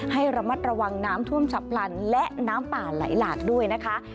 ให้ระมัดระวังน้ำท่วมฉับพลันและน้ำป่าไหลหลากด้วยนะคะ